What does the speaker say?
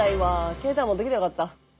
携帯持ってきたらよかった。